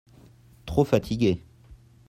Trop fatigué.